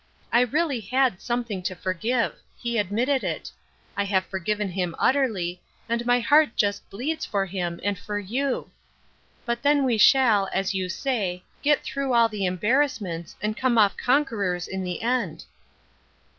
I really had something to forgive. He admitted it. I have forgiven him utterly, and my heart just bleeds for him and for you. But then we shall, as you say, get through all th« 16 Ruth Erskine's Crosses, embarrassments, and come off conquerors in tha end."